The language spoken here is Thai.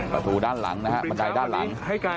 ประตูด้านหลังนะฮะบันไดด้านหลัง